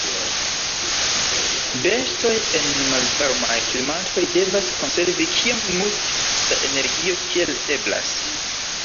Bestoj en malvarmaj klimatoj devas konservi kiom multe da energio kiel eblas.